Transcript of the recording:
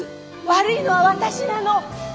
悪いのは私なの！